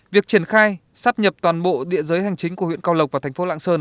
việc triển khai sắp nhập toàn bộ địa giới hành chính của huyện cao lộc và thành phố lạng sơn